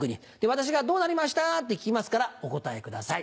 私が「どうなりました？」って聞きますからお答えください。